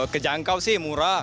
kejangkau sih murah